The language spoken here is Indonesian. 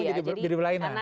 iya agak menjadi berbeda